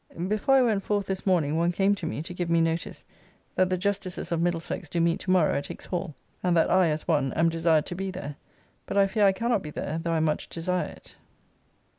Before I went forth this morning, one came to me to give me notice that the justices of Middlesex do meet to morrow at Hicks Hall, and that I as one am desired to be there, but I fear I cannot be there though I much desire it.